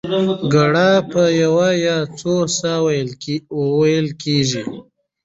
ګړه په یوه یا څو ساه وو وېل کېږي.